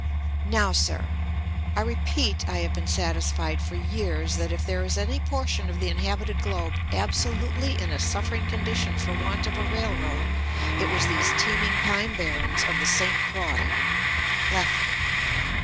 Now, sir, I repeat I have been satisfied for years that if there was any portion of the inhabited globe absolutely in a suffering condition for want of a railroad it was these teeming pine barrens of the St. Croix.